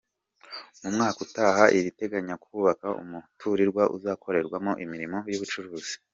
Mu mwaka utaha irateganya kubaka umuturirwa uzakorerwamo imirimo y’ubucuruzi.